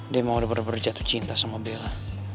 dia emang udah bener bener jatuh cinta sama bella